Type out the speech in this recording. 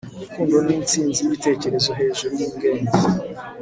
urukundo ni intsinzi y'ibitekerezo hejuru y'ubwenge